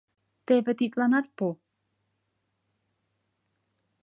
Теве тидланат пу.